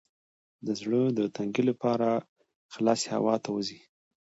د زړه د تنګي لپاره خلاصې هوا ته ووځئ